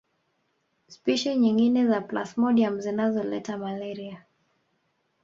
Spishi nyingine za plasmodium zinazoleta malaria